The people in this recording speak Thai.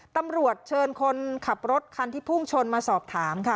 ตำรวจเชิญคนขับรถคันที่พุ่งชนมาสอบถามค่ะ